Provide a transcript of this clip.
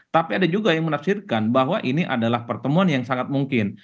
tapi ada juga yang menafsirkan bahwa ini adalah pertemuan yang sangat mungkin